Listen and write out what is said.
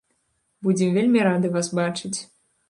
Будзем вельмі рады вас бачыць.